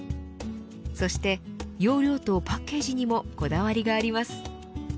そして容量とパッケージにもこだわりがあります。